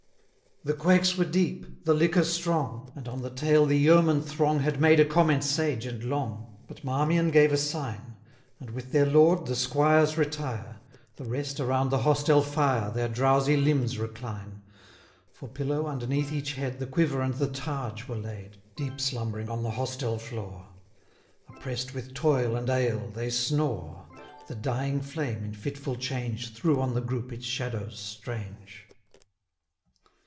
The quaighs were deep, the liquor strong, 510 And on the tale the yeoman throng Had made a comment sage and long, But Marmion gave a sign: And, with their lord, the squires retire; The rest around the hostel fire, 515 Their drowsy limbs recline: For pillow, underneath each head, The quiver and the targe were laid. Deep slumbering on the hostel floor, Oppress'd with toil and ale, they snore: 520 The dying flame, in fitful change, Threw on the group its shadows strange.